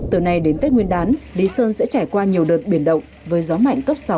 từ nay đến tết nguyên đán đi sơn sẽ trải qua nhiều đợt biển động với gió mạnh cấp sáu cấp bảy